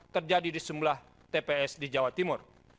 terjadi di sebelah tps di jawa timur